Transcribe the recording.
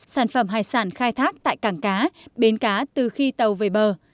sản phẩm hải sản khai thác tại cảng cá bến cá từ khi tàu về bờ